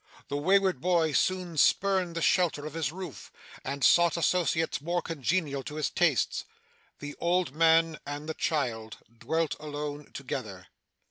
The wayward boy soon spurned the shelter of his roof, and sought associates more congenial to his taste. The old man and the child dwelt alone together.